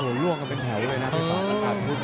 โอ้ล่วงกันเป็นแถวด้วยนะในภาพการบทเออ